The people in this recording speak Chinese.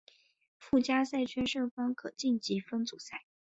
附加赛圈胜方可晋级分组赛。